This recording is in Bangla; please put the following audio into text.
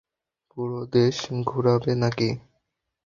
পুরা দেশ ঘুরাবে নাকি?